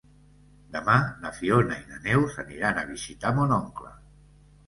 Demà na Fiona i na Neus aniran a visitar mon oncle.